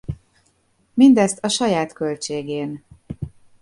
Mindezt a saját költségén.